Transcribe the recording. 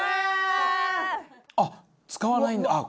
あっ使わないんだ。